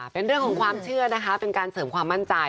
เป็นเรื่องของความเชื่อนะคะเป็นการเสริมความมั่นใจ